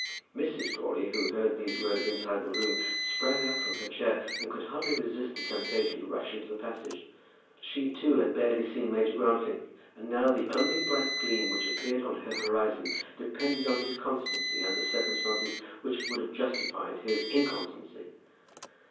Mrs. Crawley, who heard these words inside the room, sprang up from her chair, and could hardly resist the temptation to rush into the passage. She too had barely seen Major Grantly; and now the only bright gleam which appeared on her horizon depended on his constancy under circumstances which would have justified his inconstancy.